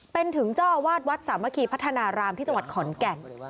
เป็นถึงเจ้าอาวาสวัดสามัคคีพัฒนารามที่จังหวัดขอนแก่น